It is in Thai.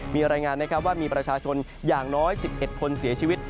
มีรายงานนะครับว่ามีประชาชนอย่างน้อย๑๑คนเสียชีวิต